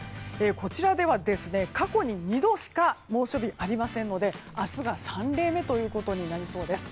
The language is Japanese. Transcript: こちらでは過去に２度しか猛暑日がありませんので明日が３例目ということになりそうです。